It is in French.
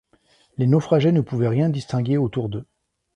Les naufragés ne pouvaient rien distinguer autour d’eux.